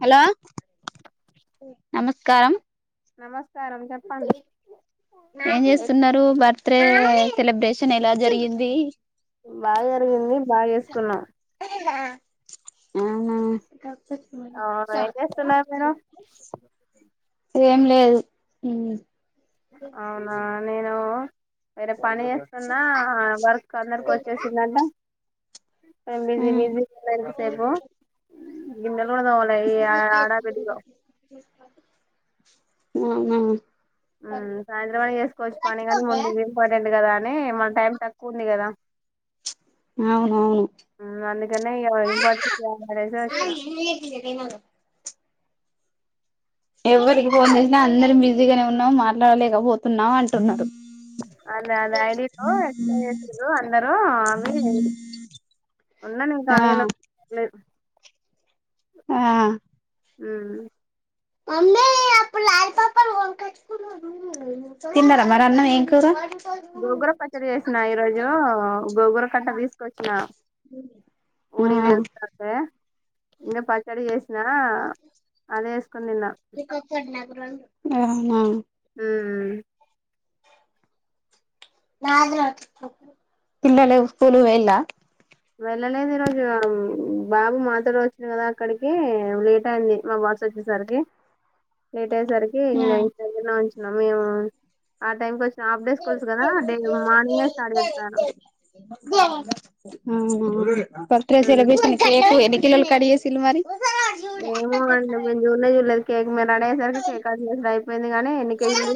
Hello నమస్కారం నమస్కారం చెప్ప ఏం చేస్తున్నారు బర్త్డే సెలబ్రేషన్ ఎలా జరిగింది బాగా జరిగింది బాగా వేస్ కున్నా అవునా అవునా ఏం చేస్తున్నారు మీరు ఏం లేదు అవునా నేను ఉ వేరే పన్ పని చేస్తున్నా వర్క్ అందరికి వచ్చేసిందంట. మేము బిజీ బిజీ చది ఏగో [unintelligible] తోడుదొగలే ఈ హడావిడిలో ఉవునా సాయంత్రం అని చేసుకోవచ్చు. పని కాని ముందు ఇది ఇంపార్టెంట్ కదా అని మన టైం తక్కువ ఉంది కదా. అవునవును అందుకనే ఇగ ఇంపార్టెన్స్ అనేసి వచ్చినా ఎవరికి ఫోన్ చేసినా అందరం బిజీగానే ఉన్నాం. మాట్లాడలేకపోతున్నాం అంటున్నారు. అదే అది ఐడిలో ఎట్ల చేసిండ్రో అందరు అని ఉందని ఆ కలిగినే లేదు. ఆ ఊ మ్ తిన్నారా మరి అన్నం ఏం కూర గోంగుర పచ్చడి చేసిన ఈరోజు గోంగుర కట్ట తీసుకొచ్చిన ఆ ఊరికి పోయివాస్తంటే ఇంకా పచ్చడి చేసినా అదేస్ అవునా ఊ పిల్లలు స్కూలు పోయిండ్రా వెళ్ళలేదు ఈరోజు బాబు మాతోటి వచ్చాడు అక్కడికి లేట్ అయింది. మా బాస్ వచ్చేసరికి లేట్ అట్టేసరికి ఇం ఇంటికి వచ్చిన మేము ఆ టైంకి వచ్చి హాఫ్ డే స్కూల్స్ కదా డే మార్నింగే స్టార్ట్ చేస్తారు birthday um celebration cake ఎని కిలోల కడిగేసును మరి ఏమో అండి మేము చూనే చూడలేదు కేక్ మీరు రెడీ అయేసరికి కేక్ కట్ చేసూడు అయి అందుకనే కానీ ఎన్ని కేజీలు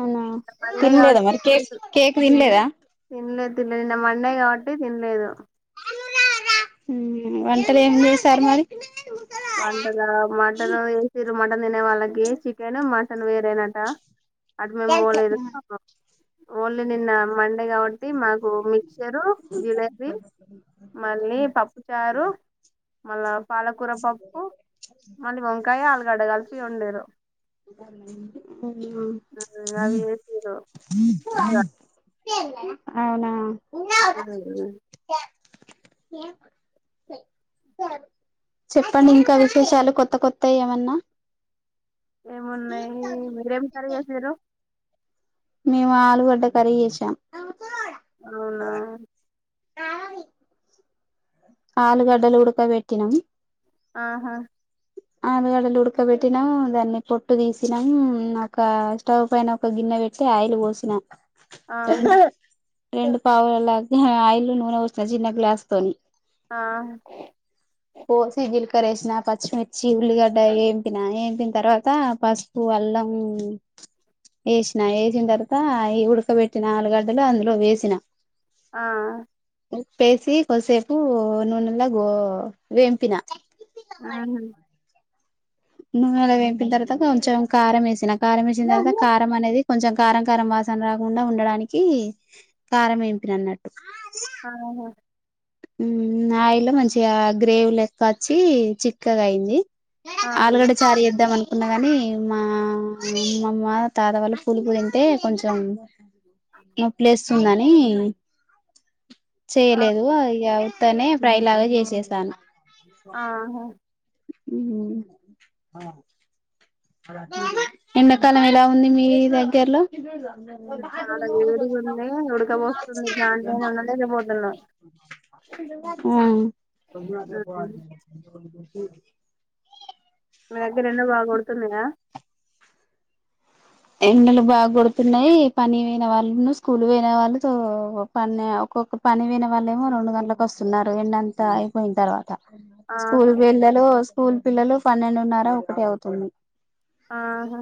అవునా మండే తినలేదా కాబట్టి మరి కేక్ తినలేదా తినలేదు తినలేదు మండే కాబట్టి తినలేదు వంటలు ఏం చేసారు మరి వంటలా మటన్ చేసిన్రు మటన్ తినే వాళ్ళకి చికెన్ మటన్ వేరేనాట అటు మేము పోలేదు ఓన్లీ నిన్న మండే కాబట్టి మాకు మిక్చర్ జిలేబీ మళ్ళీ పప్పు చారు మళ్ళ పాలకూరపా ఓ మళ్ళీ వంకాయ ఆలుగడ్డ కలిపి వండిరు న్నాడి మ్ అవి చేసిర్రు అవునా అవు చెప్పండి ఇంకా విశేషాలు కొత్త కొత్త ఏమన్నా ఏమున్నాయి మీరేం కర్రీ చేసిరు మేము ఆలుగడ్డ కర్రీ చేసాం అవునా ఆలుగడ్డలు ఉడక పెట్టినాం ఆహా ఆలుగడ్డలు ఉడకబెట్టినాము దాన్ని పొట్టు తీసినాము ఒక స్టవ్ పైన ఒక గిన్నె పెట్టి ఆయిల్ పోసిన ఆహా రెండు పావులలా ఆయిలో నూనె పోసిన చిన్న గ్లాస్ తోని ఆ కర [unintelligible] వేసిన పచ్చిమిర్చి ఉల్లిగడ్డ వేంపిన వేంపిన తర్వాత పసుపు అల్లం వేసిన వేసిన తర్వాత ఉడకబెట్టిన ఆలుగడ్డలు అందులో వేసిన ఆ ఉప్పు వేసి కొసేపు కు నూనెలా గో వేంపిన ఆ నూనే లో వేంపిన తర్వాత కొంచెం కారం వేసిన కారం వేసిన తర్వాత కారం అనేది కొంచెం కారం కారం వాసన రాకుండా ఉండడానికి కారం ఎంపిన అన్నట్టు ఆహా హ్మ్ ఆయిల్లో మంచిగా గ్రేవీ లెక్క వచ్చి చిక్కగా అయింది ఆ ఆలుగడ్డ చారు చేద్దామన కున్నా గాని మా అమామ్మ తాతా వాళ్ళు పూలుపు తింటే కొంచెం నొప్పిలేస్తుంది అని ఆ చేయలేదు అవుతనే ఫ్రై లాగా చేసేసాను ఆహ ఉమ్ హు ఎండాకాలం ఎలా ఉంది మీ దగ్గర్లో ఇంకా చాలా వేడిగుంది ఉడకపోస్తుంది ఫ్యాన్లోనే ఉండలేకపోతున్నాం ఉమ్ ఉ ఉమ్ మీ దగ్గర ఎండ బాగా కొడుతున్నాద ఎండలు బాగా కొడుతున్నాయి పని పోయిన వాళ్ళను స్కూల్ పోయిన వాళ్ళు ప ఒక్కొక్క పని పోయిన వాళ్ళ ఏమో రెండు గంటలకు వస్తున్నారు ఎండంతా అయిపోయిన తర్వాత స్కూల్ ఆహా పోయిడే వొళ్ళు స్కూల్ పిల్లలు పన్నెండున్నార ఒకటి అవుతుంది ఆహ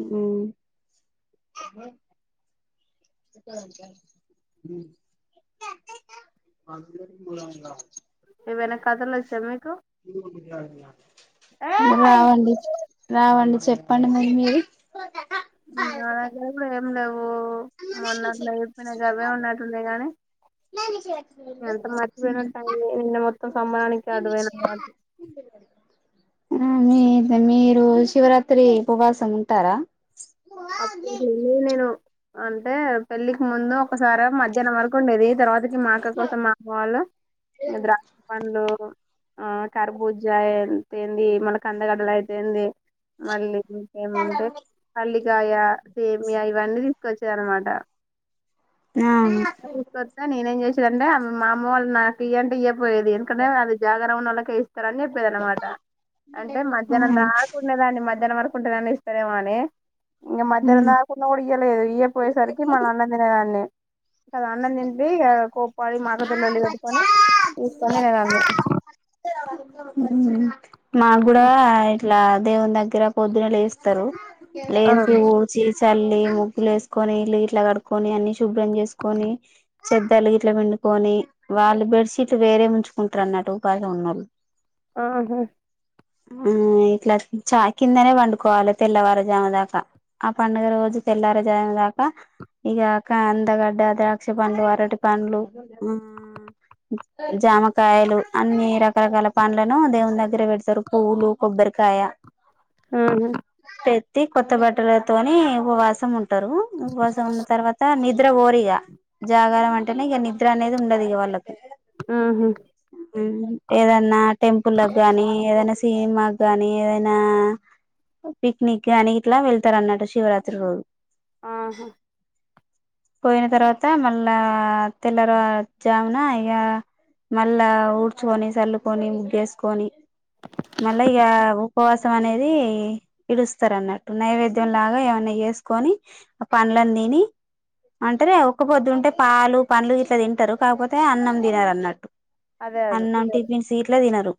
ఉమ్ [inaudible] ఏమన్నా కథలో వచ్చ మే రావండి రావండి చెప్ప [inaudible] అలాగ ఎం లేవు మోన్నట్లు చెప్పిన గావే ఉన్నట్టుంది గానీ ఎంత మర్చిపోయిన నిన్న మత్త మొత్తం సమ్మరానికిిక అడువేనాటి ఆ మీ మీరు శివరాత్రి ఉపవాసం ఉంటారా అప్పే నేను అంటే పెళ్ళికి ముందు ఒకసారి మధ్యాహ్నం వరకు ఉండేది తర్వాత మా అక్క కోసం మా అమ్మ వాళ్ళు ద్రాక్ష పండ్లు ఆ కర్బుజ ఎన్ ఏందీ మన కందగడ్డలు అయితేంది మళ్ళీ ఇంకేముంటే మళ్ళ కాయ సేమ్య ఇవన్నీ తీసుకొచ్చారనమాట ఆ దాన్ని నేనేం చేసి అంటా మా అమ్మ వాళ్ళ నాకు ఇ అంటే ఈయం [unintelligible] దేని కన్నా అవి జాగారం ఉన్నోళ్ల కు ఏస్తారు అన్నిట్నీ స్తది అన్నమాట అంటే మధ్యానం దాకున్న దాన్ని మధ్యాహ్నం వరకు కుంటె నన్న ఇస్తారేమో అని ఇగా మద్యాన్నం ఆ దాకున్న కూడా ఇయ్యలేదు ఇయ్యక పోయేసరికి మల్ల అన్నం తినేదాన్ని కదా అన్నం తిండి ఇగ కోప్పాడి మా [unintelligible] లోళ్ళి పెట్టుకొని తీసుకొని నేను అన్నీ హ్ హు మాగ్గూడా ఇట్ల దేవుని దగ్గర పొద్దున లేస్తారు లేసి ఊడ్చి చల్లి ముగ్గులు ఏసుకొని ఇల్లు గిట్లా కడుకొని అన్ని శుభ్రం చేసుకొని చెద్దార్లు గిట్లా విండుకొని వాళ్ళు బెడ్ షీట్లు వేరే ఉంచుకుంటారు అన్నట్టు ఉపావసం ఉన్నోళ్ళు ఆహా హ్ ఇట్లా చా కిందనే పండుకోవాలి. తెల్లవారజాము దాకా ఆ పండుగ రోజు తెల్లరేజాము దాకా ఇగా కందగడ్డ ద్రాక్ష పండ్లు అరటి పండ్లు హ్ ఆ జామకాయలు అన్ని రక రకరకాల పండ్లను దేవుని దగ్గర పెడతారు. పువ్వులు కొబ్బరికాయ ఆహా ట్టి కొత్త బట్టలతోనే ఉపవాసం ఉం టరు ఉపవాసం ఉన్న తర్వాత నిద్ ద్ర పోరూ ఇగ జాగారం అంటేనే ఇగ నిద్ర అనేది ఉండది ఇగ వాళ్ళక్ ఆహ ఏదన్న టెంపుల్లకు గాని ఏదన్న సి సినిమా గాని ఏదైనా పిక్నిక్ గాని ఇట్లా వెళ్తారు. అన్నట్లు శివరాత్రి రోజు ఆహా పోయిన తర్వాత మళ్లా తెల్లవర జామున ఇగ మళ్ళ ఊడ్చుకొని చల్లుకొని ముగ్గేసుకొని మళ్ళా ఇగ ఉపవాసం అనేది ఇడుస్తారు. అన్నట్టు నైవేద్యం లాగా ఏమన్నా చేసుకొని ఆ పండ్లను తిని అంటారు గాదా ఒక్క పొద్దుంటే పాలు పండ్లు గీ ట్ల తింటరు. కాకపోతే అన్నం తినరు అన్నట్టు అదే అదె తీనారు ఇట్ల తినరు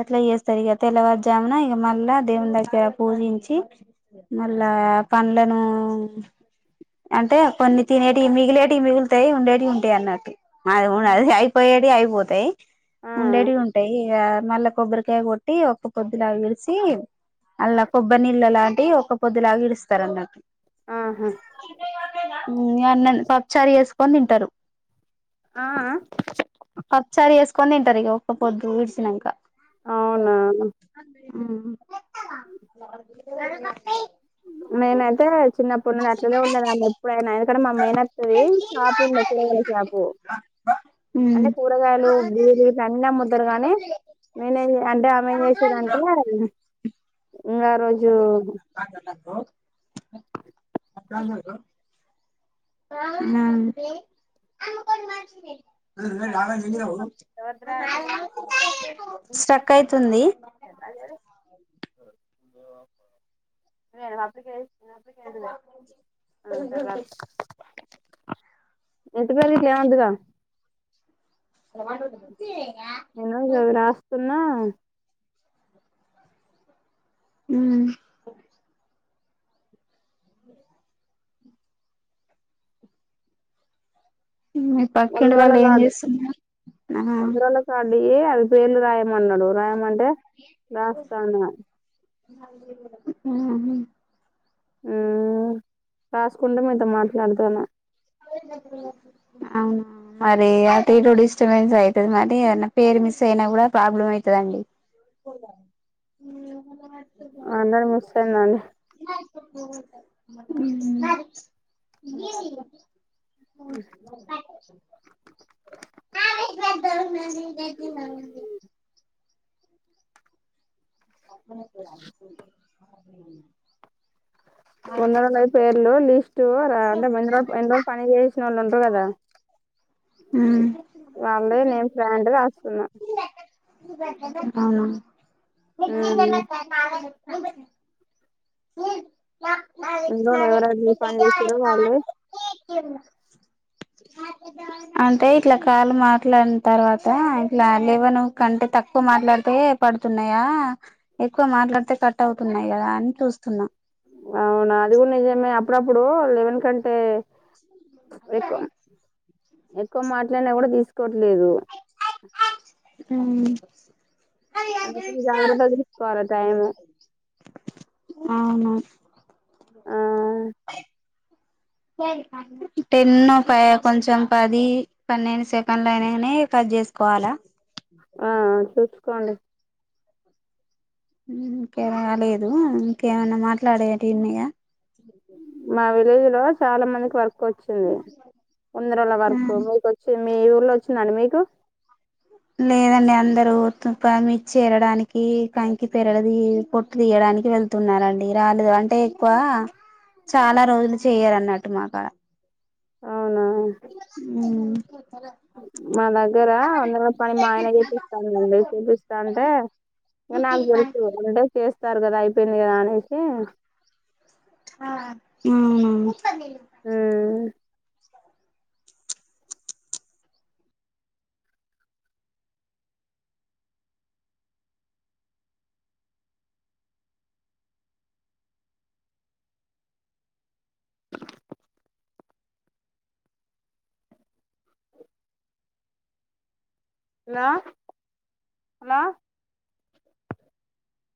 అట్లా చేస్తారు. ఇగా తెల్లవారుజామున ఇగా మళ్ళా దేవుని దగ్గర పూజించి మళ్ళా పండ్లను అంటే కొన్ని తినేటియి మిగిలేటియి మిగులుతాయి ఉండేటియి ఉంటాయి అన్నట్టు అది ఒ అది ఐపోయేటియి అయిపోతయి ఆ ఉండేటివి ఉంటాయి ఇగా మళ్ళా కొబ్బరికాయ కొట్టి ఒక పొద్దులాగా ఇడిసి మళ్ళ కొబ్బరి నీళ్ళ లాంటి ఒక పొద్దులాగ ఇడుస్తారు అన్నట్టు ఆహా హ్ ఎమన్నా పప్పుచారు చెస్ కొనీ తింటారు ఆ కొన్నింటరు ఇగ ఒకపొద్దు విడ్సినాంక. అవునా చె నేనైతే చిన్నప్పుడు నుండి ఉన్నది ఎప్పుడైనా ఆయనకడా మామేనత్త ది షాప్ ఉన్నది కూరగాయల షాపు. అంటే కూరగాయలు బీడి ఈట్లా అన్నీ అమ్ముతరు గాని నేనే అంటే పానీ చేసేదంటే ఉన్న ఆ రోజు హలో మా స్టక్ ఐతుంది అరిచిత ఏది అ ఇంటిపేరు గిట్లఏమోదు కదా ర నా ఉ మీ వంద పక్కింటి రోజుల వాళ్ళు ఏం కార్డు చేస్తున్నారు ఆ అది పేర్లు రాయమన్నాడు రాయమంట రాస్తాన ఉ ఉ రాసుకుంట మీతో మాట్లాడతానా అవునా మరి అో డిస్టర్బెన్స్ అవుతుంది మరి ఏద పేరు మిస్ అయినా కూడా ప్రాబ్లమ్ అవుతుందిండి. అందరూ మస్ అయిందండి ఉ ద్ద మ ఎడి అ ముందరు ఉన్నది పేర్లు లిస్టు అంటే ము ఎన్ని రోజు పని చేసిన వాళ్ళు ఉ ప్పు కదా ఉమ్ వాలు నిమ్స్ రాంటే రాస్తున్నా. అవున మ్మ్ ఇంలో ఎవరది పని చేసారు వాళ్ళు అంటే ఇట్లా కాలు మాట్లాడిన తర్వాత ఇట్లా లేవన్ కంటే తక్కువ మాట్లాడితే పడుతున్నాయా ఎక్కువ మాట్లాడితే కట్ అవుతున్నాయి కదా అని చూ సున్నా అవునా అది కూడా నిజమే అప్పుడప్పుడు లెవెన్ కంటే ఎక్కువ ఎక్కువ మాట్లాడినా కూడా తీసుకు ఆవు అంట జాగ్రత్తలు తీసుకోాల టైము అవును ఆ టెన్ పై కొంచెం పది పన్నెండు సెకండ్లు అయినానే కట్ చేసుకోవాలా ఆ చూసుకోండి ఇంకే రాలేదు ఇంకేమైనా మాట్లాడే న్నగా మా విలేజ్ లో చాలా మందికి వర్క్ వచ్చింది ఉందరల వరకు మీకు వచ్చి మీ ఊర్లో వచ్చిందండి మీకు లేదండి అందరు తు మిర్చి చేరడానికి కంకి తెరదు పొట్టు తీయడానికి వెళ్తున్నారండి రాలేదు అంటే ఎక్కువ చాలా రోజులు చేయరు అన్నట్టు మాకడ అవునా ఉమ్ మా దగ్గర వంద పని మా ఆయన చేపిస్తానుండి చేపిస్తా అంటే ఇంకా నాకు తెరుతు అంటే చేస్త వస్తారు కదా అయిపోయింది కదా అనేసి ఆ ఉమ్ నీ ఉమ్. Hello hello